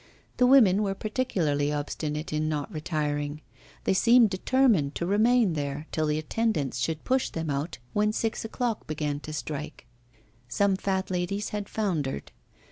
The women were particularly obstinate in not retiring; they seemed determined to remain there till the attendants should push them out when six o'clock began to strike. Some fat ladies had foundered.